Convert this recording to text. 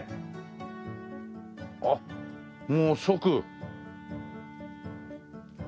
あっもう即。